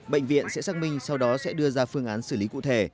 bệnh viện sẽ xác minh sau đó sẽ đưa ra phương án xử lý cụ thể